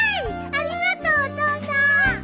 ありがとうお父さん。